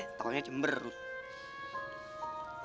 eh taunya cemberut